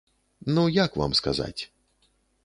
Ну, як вам сказаць?